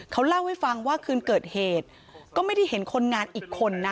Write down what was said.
เขาเล่าให้ฟังว่าคืนเกิดเหตุก็ไม่ได้เห็นคนงานอีกคนนะ